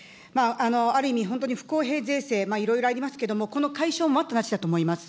ある意味、本当に不公平税制、いろいろありますけれども、この解消、待ったなしだと思います。